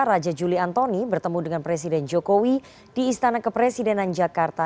raja juli antoni bertemu dengan presiden jokowi di istana kepresidenan jakarta